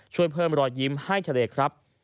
ช่วยเพิ่มรอยยิ้มให้ทะเลครับ